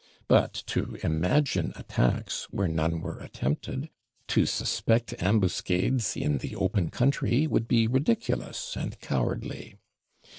But to imagine attacks where none were attempted, to suspect ambuscades in the open country, would be ridiculous and cowardly.